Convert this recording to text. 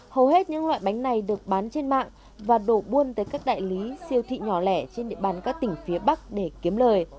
hầu hết những loại bánh này được bán trên mạng và đổ buôn tới các đại lý siêu thị nhỏ lẻ trên địa bàn các tỉnh phía bắc để kiếm lời